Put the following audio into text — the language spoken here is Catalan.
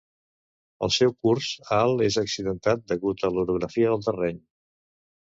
El seu curs alt és accidentat degut a l'orografia del terreny.